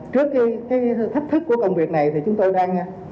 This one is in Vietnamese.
trước cái thách thức của công việc này thì chúng tôi đang